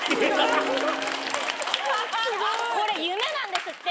これ夢なんですって。